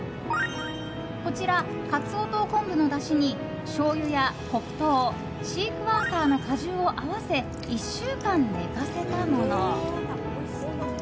こちら、カツオと昆布のだしにしょうゆや黒糖シークヮーサーの果汁を合わせ１週間寝かせたもの。